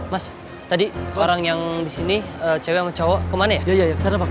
mas tadi orang yang disini cewek cowok kemana ya iya